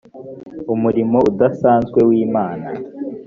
umurimo udasanzwe w imana